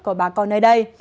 của bà con nơi đây